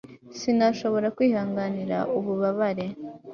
Sinashobora kwihanganira ububabare